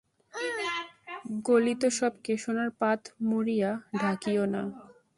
গলিত শবকে সোনার পাত মুড়িয়া ঢাকিও না।